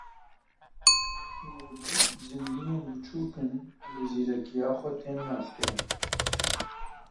Mûrî zîndiyên biçûk in û bi zîrekiya xwe tên naskirin.